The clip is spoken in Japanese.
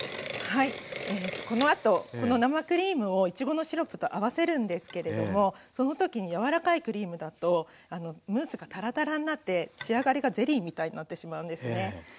はいこのあとこの生クリームをいちごのシロップと合わせるんですけれどもその時に柔らかいクリームだとムースがタラタラになって仕上がりがゼリーみたいになってしまうんですね。